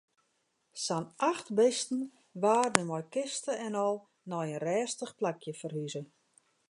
Sa'n acht bisten waarden mei kiste en al nei in rêstich plakje ferhuze.